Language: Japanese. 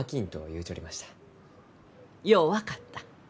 よう分かった。